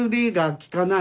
きかない。